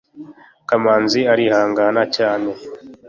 kamanzi arihangana cyane